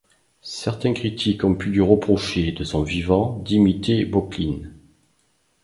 Certains critiques ont pu lui reprocher, de son vivant, d’imiter Böcklin.